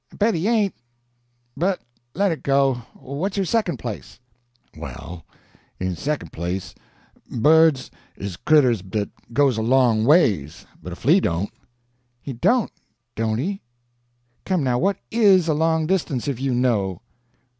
"I bet he ain't, but let it go. What's your second place?" "Well, in de second place, birds is creturs dat goes a long ways, but a flea don't." "He don't, don't he? Come, now, what is a long distance, if you know?"